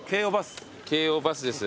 京王バスです。